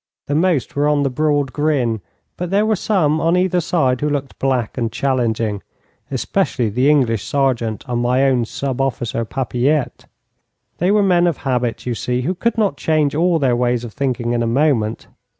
The most were on the broad grin, but there were some on either side who looked black and challenging, especially the English sergeant and my own sub officer Papilette. They were men of habit, you see, who could not change all their ways of thinking in a moment.